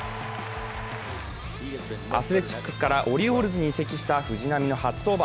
アスレチックスからオリオールズに移籍した藤浪の初登板。